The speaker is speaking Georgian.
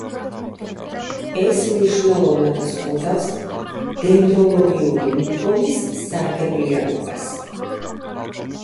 ეს მნიშვნელოვნად ზღუდავს დენდროლოგიური მიდგომის სარგებლიანობას.